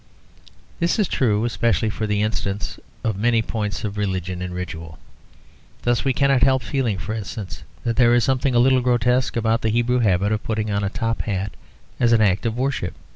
This is true especially, for instance, of many points of religion and ritual. Thus we cannot help feeling, for instance, that there is something a little grotesque about the Hebrew habit of putting on a top hat as an act of worship.